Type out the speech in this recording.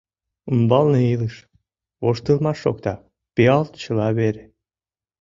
Умбалне илыш... воштылмаш шокта, Пиал чыла вере.